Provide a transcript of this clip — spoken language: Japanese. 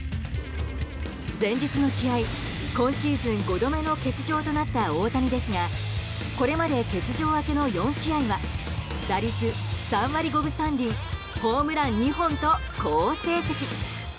前日の試合、今シーズン５度目の欠場となった大谷ですがこれまで欠場明けの４試合は打率３割５分３厘ホームラン２本と好成績。